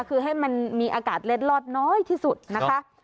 คือให้มันมีอากาศเล็ดลอดน้อยที่สุดนะคะ